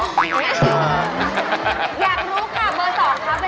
อยากรู้ค่ะเบอร์๒ครับ